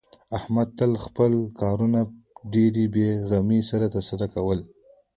احمد تل خپل کارونه په ډېرې بې غمۍ سره ترسره کوي.